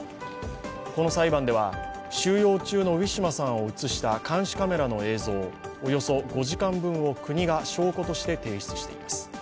この裁判では収容中のウィシュマさんを映した監視カメラの映像およそ５時間分を国が証拠として提出しています。